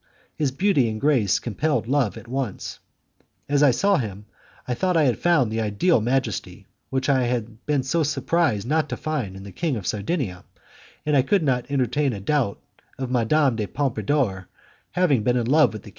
His beauty and grace compelled love at once. As I saw him, I thought I had found the ideal majesty which I had been so surprised not to find in the king of Sardinia, and I could not entertain a doubt of Madame de Pompadour having been in love with the king when she sued for his royal attention.